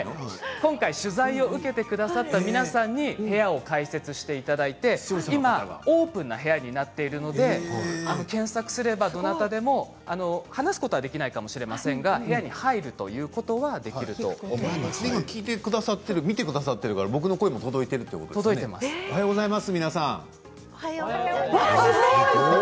今回、取材を受けてくださった皆さんに部屋を開設していただいて今オープンな部屋になっているので検索すればどなたでも話すことはできないかもしれませんが部屋に入る聞いてくださっているというか見てくださっているから僕の声も届いているとおはようございます皆さん。